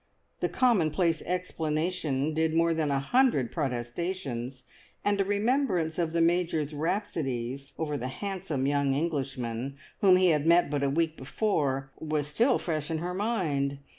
The commonplace explanation did more than a hundred protestations, and a remembrance of the Major's rhapsodies over the handsome young Englishman whom he had met but a week before was still fresh in her mind.